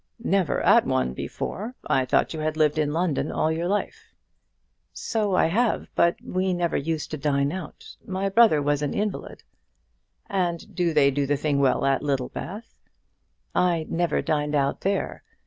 "Never at one before! I thought you had lived in London all your life." "So I have; but we never used to dine out. My brother was an invalid." "And do they do the thing well at Littlebath?" "I never dined out there.